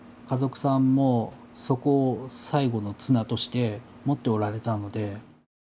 家族さんもそこを最後の綱としてもっておられたので。